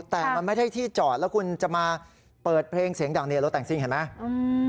แต่มันไม่ได้ที่จอดแล้วคุณจะมาเปิดเพลงเสียงดังเนี่ยรถแต่งซิ่งเห็นไหม